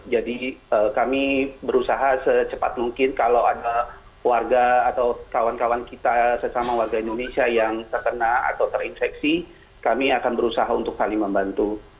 jadi kami berusaha secepat mungkin kalau ada warga atau kawan kawan kita sesama warga indonesia yang terkena atau terinfeksi kami akan berusaha untuk saling membantu